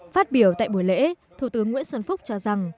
phát biểu tại buổi lễ thủ tướng nguyễn xuân phúc cho rằng